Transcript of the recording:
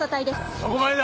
そこまでだ。